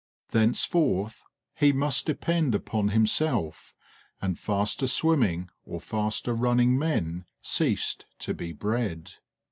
Thenceforth he must depend upon himself, and faster swimming or faster running men ceased to be bred.